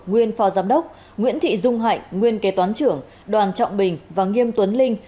nguyên phó giám đốc nguyễn thị dung hạnh nguyên kế toán trưởng đoàn trọng bình và nghiêm tuấn linh